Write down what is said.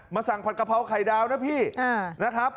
สั่งผัดกะเพราไข่ดาวนะพี่นะครับ